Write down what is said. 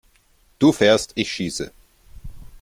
Du fährst, ich schieße!